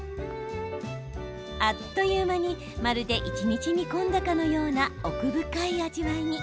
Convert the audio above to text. あっという間に、まるで一日煮込んだかのような奥深い味わいに。